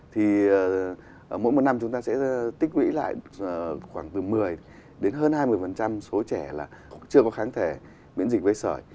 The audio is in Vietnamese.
thì mỗi một năm chúng ta sẽ tích quỹ lại khoảng từ một mươi đến hơn hai mươi số trẻ là chưa có kháng thể miễn dịch vây sở